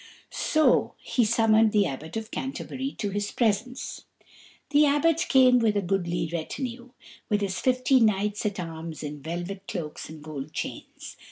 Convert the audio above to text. So he summoned the Abbot of Canterbury to his presence. The Abbot came with a goodly retinue, with his fifty knights at arms in velvet cloaks and gold chains.